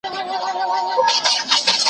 واقعیت باید له هنر سره یوځای سي.